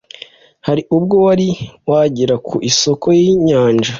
hari ubwo wari wagera ku isoko y'inyanja